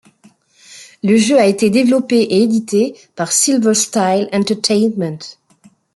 Le jeu a été développé et édité par Silver Style Entertainment.